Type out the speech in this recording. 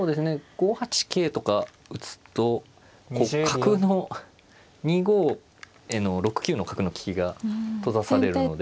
５八桂とか打つとこう角の２五への６九の角の利きが閉ざされるので。